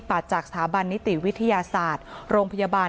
ปากทางด้านร้อยเบน